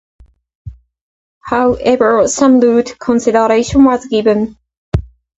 However, some route consideration was given.